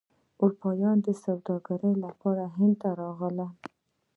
اروپایان د سوداګرۍ لپاره هند ته راغلل.